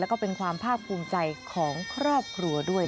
แล้วก็เป็นความภาคภูมิใจของครอบครัวด้วย